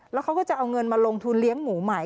แล้วเขาก็จะเอาเงินมาลงทุนเลี้ยงหมูใหม่